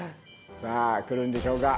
さあ来るんでしょうか？